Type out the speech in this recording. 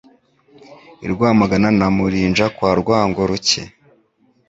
I Rwamagana na Murinja kwa Rwango-ruke,